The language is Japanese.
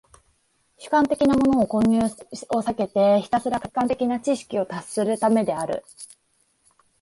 主観的なものの混入を避けてひたすら客観的な知識に達するためである。